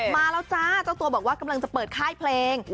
มาแล้วจ้าเจ้าตัวบอกว่ากำลังจะเปิดค่ายเพลง